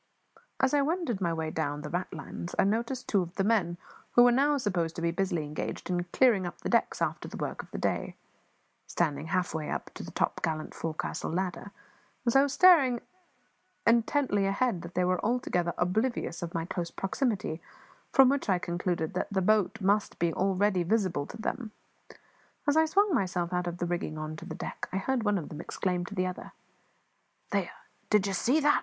As I wended my way down the ratlines I noticed two of the men who were now supposed to be busily engaged in clearing up the decks after the work of the day standing halfway up the topgallant forecastle ladder, and staring so intently ahead that they were altogether oblivious of my close proximity, from which I concluded that the boat must be already visible to them. As I swung myself out of the rigging on to the deck I heard one of them exclaim to the other "There, did ye see that?